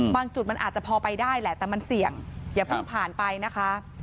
จุดมันอาจจะพอไปได้แหละแต่มันเสี่ยงอย่าเพิ่งผ่านไปนะคะ